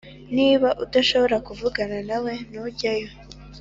Niba udashobora kuvugana nawe, ntujyeyo